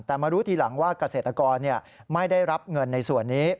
แต่มารู้ทีหลังว่าเกษตรกรไม่ได้รับเงินในส่วนนี้